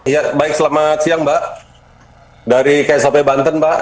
ya baik selamat siang mbak dari ksop banten mbak